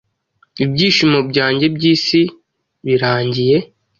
Ibyishimo byanjye byisi birangiye